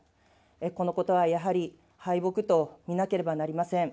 このことはやはり、敗北と見なければなりません。